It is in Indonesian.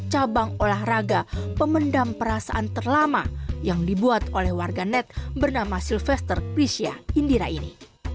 cabang olahraga pemendam perasaan terlama yang dibuat oleh warganet bernama sylvester prisya hindira ini